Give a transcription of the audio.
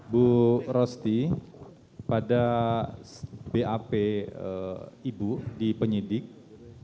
bu rosti pada bap ibu dipenyidikkan